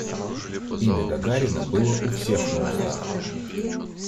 Имя Гагарина было у всех на устах.